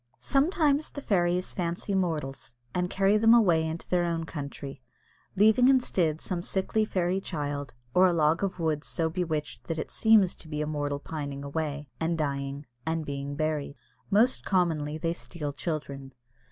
Sometimes the fairies fancy mortals, and carry them away into their own country, leaving instead some sickly fairy child, or a log of wood so bewitched that it seems to be a mortal pining away, and dying, and being buried. Most commonly they steal children.